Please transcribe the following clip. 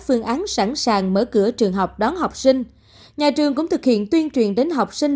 phương án sẵn sàng mở cửa trường học đón học sinh nhà trường cũng thực hiện tuyên truyền đến học sinh